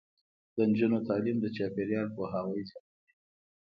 د نجونو تعلیم د چاپیریال پوهاوي زیاتوي.